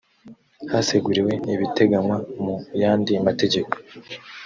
haseguriwe ibiteganywa mu yandi mategeko